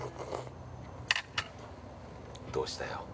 ◆どうしたよ？